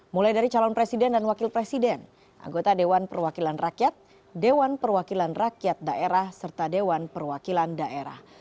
mulai dari calon presiden dan wakil presiden anggota dewan perwakilan rakyat dewan perwakilan rakyat daerah serta dewan perwakilan daerah